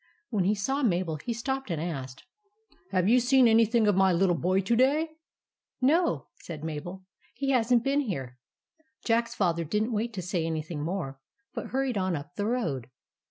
When he saw Mabel, he stopped and asked :—" Have you seen anything of my little boy to day ?"" No," said Mabel. " He has n't been here." Jack's Father did n't wait to say anything more, but hurried on up the road.